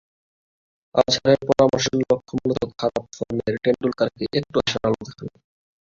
আজহারের পরামর্শের লক্ষ্য মূলত খারাপ ফর্মের টেন্ডুলকারকে একটু আশার আলো দেখানো।